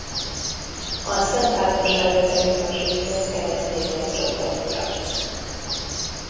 A Szentháromságot elutasító keresztények csoportja.